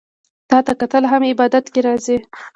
تاته کتل هم عبادت کی راځي